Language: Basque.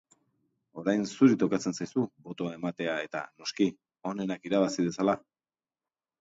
Orain zuri tokatzen zaizu botoa ematea eta noski, onenak irabazi dezala!